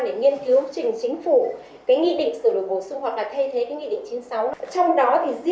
để nghiên cứu trình chính phủ cái nghị định sửa đổi bổ sung hoặc là thay thế cái nghị định chín mươi sáu